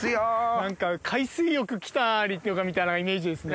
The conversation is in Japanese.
何か「海水浴来た！」みたいなイメージですね。